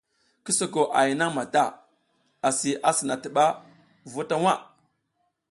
Ki soko a hay nang mata asi asina tiba v uta waʼa.